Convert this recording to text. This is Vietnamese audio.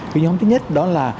cái nhóm thứ nhất đó là